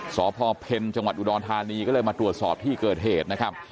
สพเพ็นจังหวัดอุดรภานีมาตรวจสอบที่เกิดเหตุ